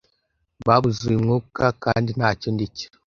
babuze uyu mwuka kandi ntacyo ndi cyo